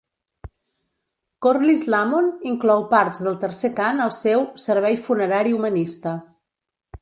Corliss Lamont inclou parts del tercer cant al seu "Servei funerari humanista".